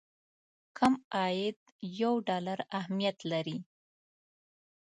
کم عاید یو ډالر اهميت لري.